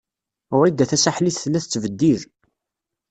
Wrida Tasaḥlit tella tettbeddil.